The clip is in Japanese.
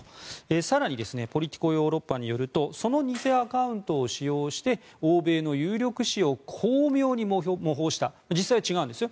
更にポリティコ・ヨーロッパによるとその偽アカウントを使用して欧米の有力紙を巧妙に模倣した実際は違うんですよ。